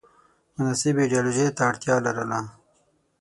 مناسبې ایدیالوژۍ ته اړتیا لرله